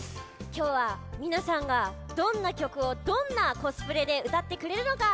きょうはみなさんがどんなきょくをどんなコスプレでうたってくれるのか。